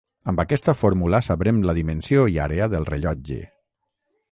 Amb aquesta fórmula sabrem la dimensió i àrea del rellotge.